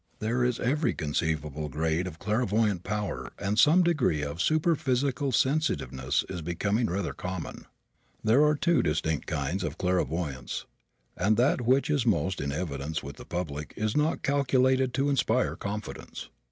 There is every conceivable grade of clairvoyant power and some degree of superphysical sensitiveness is becoming rather common. There are two distinct kinds of clairvoyance and that which is most in evidence with the public is not calculated to inspire confidence.